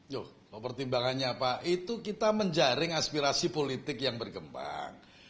yuk mau pertimbangannya apa itu kita menjaring aspirasi politik yang berkembang